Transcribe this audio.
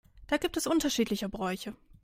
Da gibt es unterschiedliche Bräuche.